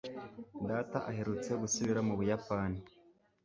data aherutse gusubira mu buyapani